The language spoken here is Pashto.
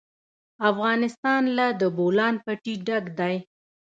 افغانستان له د بولان پټي ډک دی.